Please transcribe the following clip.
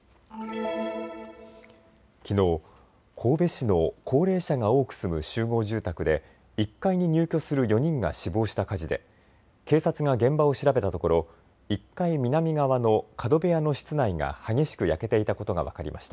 きのう、神戸市の高齢者が多く住む集合住宅で１階に入居する４人が死亡した火事で警察が現場を調べたところ１階南側の角部屋の室内が激しく焼けていたことが分かりました。